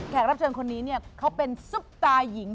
รับเชิญคนนี้เนี่ยเขาเป็นซุปตาหญิง